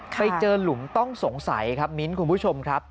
ไปเจอหลุมต้องสงสัยครับมิ้นท์คุณผู้ชมครับ